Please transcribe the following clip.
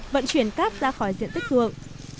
vận chuyển cát ra khỏi diện tích thường